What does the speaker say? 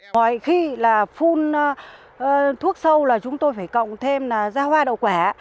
ngoài khi phun thuốc sâu chúng tôi phải cộng thêm da hoa đậu quả